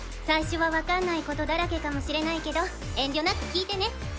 最初はわかんないことだらけかもしれないけど遠慮なく聞いてね。